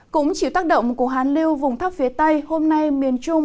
cũng chiều tác động của hàn liêu vùng thấp phía tây hôm nay miền trung